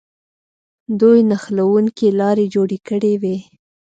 دوی نښلوونکې لارې جوړې کړې وې.